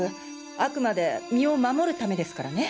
あくまで身を守るためですからね。